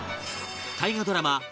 大河ドラマ